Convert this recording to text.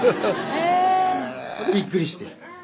びっくりして。